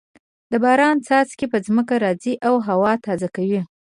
د باران څاڅکي په ځمکه راځې او هوا تازه کوي.